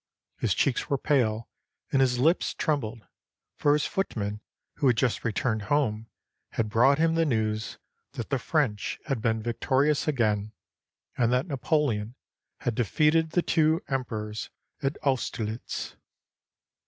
His cheeks were pale, and his lips trem bled, for his footman, who had just returned home, had brought him the news that the French had been victo rious again, and that Napoleon had defeated the two emperors at Austerlitz.